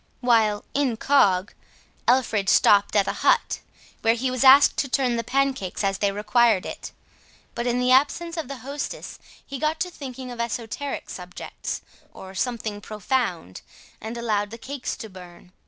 While incog., Alfred stopped at a hut, where he was asked to turn the pancakes as they required it; but in the absence of the hostess he got to thinking of esoteric subjects, or something profound, and allowed the cakes to burn.